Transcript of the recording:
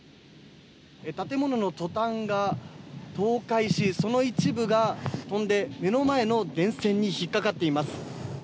建物のトタンが倒壊しその一部が飛んで目の前の電線に引っかかっています。